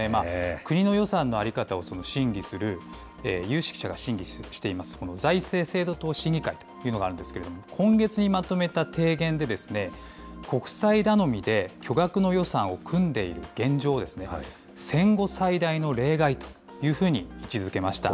国の予算の在り方を審議する有識者が審議しています、財政制度等審議会というのがあるんですけれども、今月にまとめた提言で、国債頼みで巨額の予算を組んでいる現状を戦後最大の例外というふうに位置づけました。